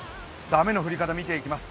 雨の降り方を見ていきます。